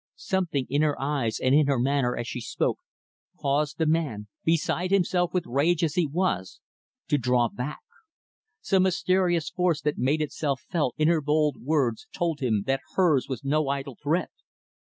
Something in her eyes and in her manner, as she spoke, caused the man beside himself with rage, as he was to draw back. Some mysterious force that made itself felt in her bold words told him that hers was no idle threat.